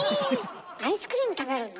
アイスクリーム食べるの？